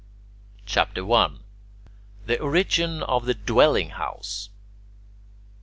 CHAPTER I THE ORIGIN OF THE DWELLING HOUSE 1.